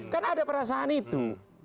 kan ada perasaan itu